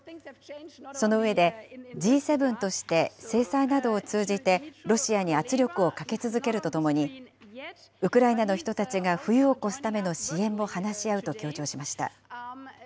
その上で、Ｇ７として制裁などを通じて、ロシアに圧力をかけ続けるとともに、ウクライナの人たちが冬を越すための支援も話し合うと強調しました。